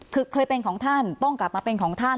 คือเคยเป็นของท่านต้องกลับมาเป็นของท่าน